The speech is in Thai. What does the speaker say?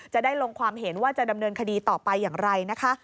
จะได้ลงความเห็นว่าจะดำเนินคดีต่อไปอย่างไรนะคะ